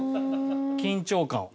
緊張感を。